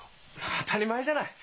当たり前じゃない！